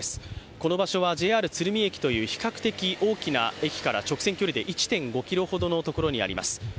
この場所はＪＲ鶴見駅という、比較的、大きな駅から直線距離で１．５ｋｍほどのところにあります。